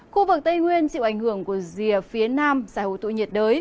khu vực tây nguyên chịu ảnh hưởng của rìa phía nam giải hội tụ nhiệt đới